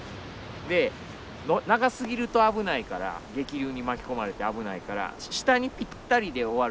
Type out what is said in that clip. で長すぎると危ないから激流に巻き込まれて危ないから下にぴったりで終わるように作ってるんですね。